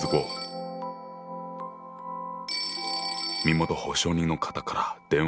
☎身元保証人の方から電話だ。